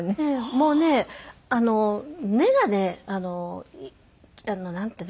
もうね根がねなんていうの。